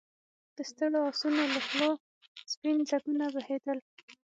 د ستړو آسونو له خولو سپين ځګونه بهېدل.